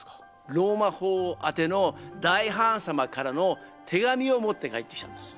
ローマ法王あての大ハーン様からの手紙を持って帰ってきたんです。